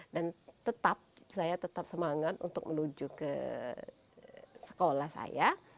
dan saya tetap semangat untuk menuju ke sekolah saya